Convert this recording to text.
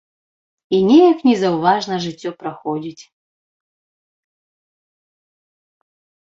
І неяк незаўважна жыццё праходзіць.